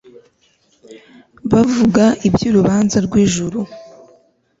buvuga ibyurubanza rwijuru